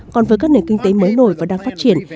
còn với các nền kinh tế mới nổi và đang phát triển